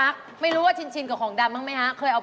เอาของแดมมาชนของสวยอย่างงานตรงนี้ครับคุณแม่ตั๊ก